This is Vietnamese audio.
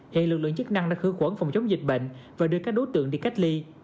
hiện lực lượng chức năng đã khử khuẩn phòng chống dịch bệnh và đưa các đối tượng đi cách ly